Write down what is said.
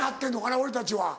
俺たちは。